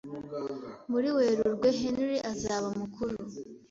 Muri Werurwe, Henry azaba mukuru.